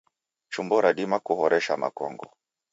Chumbo radima kuhoresha makongo